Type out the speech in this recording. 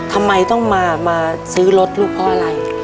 ทำไมต้องมาซื้อรถลูกเพราะอะไร